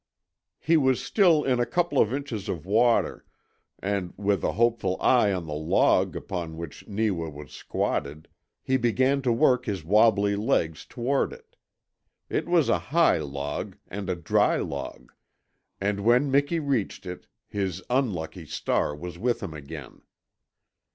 He was still in a couple of inches of water, and with a hopeful eye on the log upon which Neewa was squatted he began to work his wobbly legs toward it. It was a high log, and a dry log, and when Miki reached it his unlucky star was with him again.